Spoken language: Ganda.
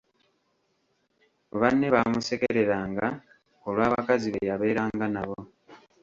Banne baamusekereranga olw'abakazi be yabeeranga nabo.